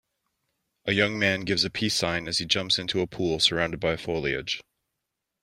A young man gives a peace sign as he jumps into a pool surrounded by foliage.